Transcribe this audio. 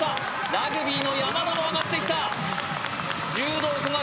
ラグビーの山田も上がってきた柔道・古賀